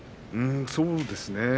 そうですね。